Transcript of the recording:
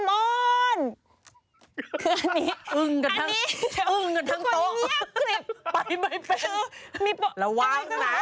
คืออันนี้อันนี้ทุกคนเงียบสิคือมีโประวังนะ